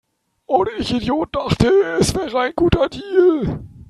Und ich Idiot dachte, es wäre ein guter Deal